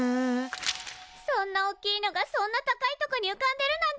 そんなおっきいのがそんな高いとこにうかんでるなんて！